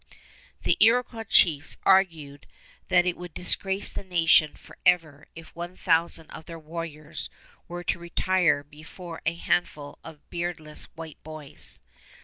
The Iroquois chiefs argued that it would disgrace the nation forever if one thousand of their warriors were to retire before a handful of beardless white boys.